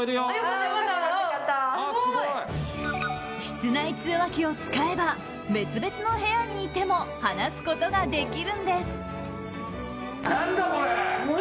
室内通話機を使えば別々の部屋にいても話すことができるんです。